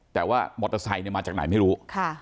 แต่ว่ามอเตอร์ไซค์มาจากไหนไม่รู้